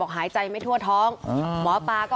หายใจไม่ค่อยออก